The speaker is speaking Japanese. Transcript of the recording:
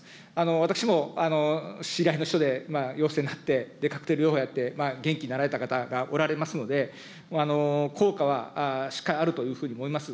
私も知り合いの人で陽性になって、カクテル療法やって元気になられた方がおられますので、効果はしっかりあるというふうに思います。